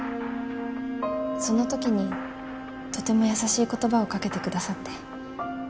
そのときにとても優しい言葉を掛けてくださって。